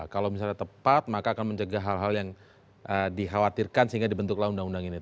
kalau misalnya tepat maka akan mencegah hal hal yang dikhawatirkan sehingga dibentuklah undang undang ini